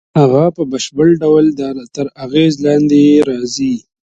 هغه په بشپړ ډول تر اغېز لاندې یې راځي